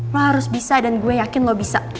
lo harus bisa dan gue yakin lo bisa